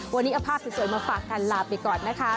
วันนี้เอาภาพสวยมาฝากกันลาไปก่อนนะคะ